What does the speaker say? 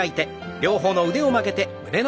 両方の腕を曲げて胸の前。